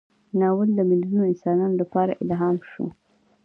ناول د میلیونونو انسانانو لپاره الهام شو.